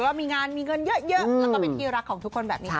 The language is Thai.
ว่ามีงานมีเงินเยอะแล้วก็เป็นที่รักของทุกคนแบบนี้ค่ะ